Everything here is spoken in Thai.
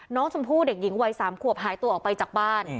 น้องชมพู่เด็กหญิงวัย๓ขวบหายตัวออกไปจากบ้าน